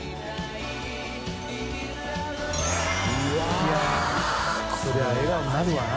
いやこりゃ笑顔になるわな。